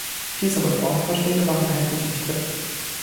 Diese Reformvorschläge waren heftig umstritten.